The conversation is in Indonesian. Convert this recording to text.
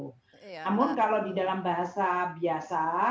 namun kalau di dalam bahasa biasa